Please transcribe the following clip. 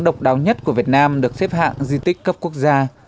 độc đáo nhất của việt nam được xếp hạng di tích cấp quốc gia